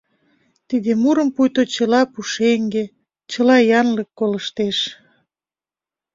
Тиде мурым пуйто чыла пушеҥге, чыла янлык колыштеш.